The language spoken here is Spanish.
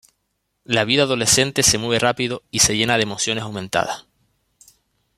La vida adolescente se mueve rápido y se llena de emociones aumentadas.